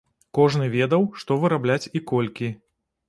Кожны ведаў, што вырабляць і колькі.